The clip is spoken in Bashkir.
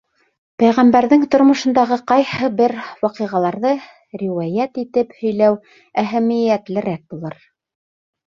Пәйғәмбәрҙең тормошондағы ҡайһы бер ваҡиғаларҙы риүәйәт итеп һөйләү әһәмиәтлерәк булыр.